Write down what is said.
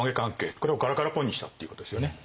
これをガラガラポンにしたっていうことですよね。